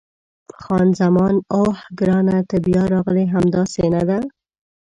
خان زمان: اوه، ګرانه ته بیا راغلې! همداسې نه ده؟